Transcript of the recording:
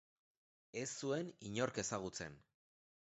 Ez zuen inork ezagutzen.